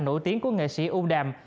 nổi tiếng của nghệ sĩ u đàm